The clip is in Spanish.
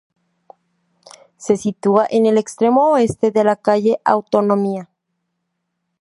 Se sitúa en el extremo oeste de la Calle Autonomía.